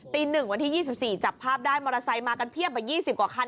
๑วันที่๒๔จับภาพได้มอเตอร์ไซค์มากันเพียบกว่า๒๐กว่าคัน